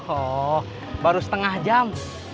oh baru setengah jam